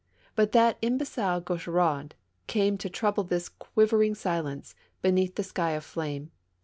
But that imbe cile Gaucheraud came to trouble this quivering silence, beneath the sky of fiame.